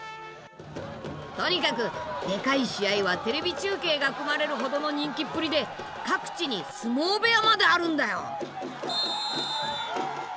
とにかくでかい試合はテレビ中継が組まれるほどの人気っぷりで各地に相撲部屋まであるんだよ。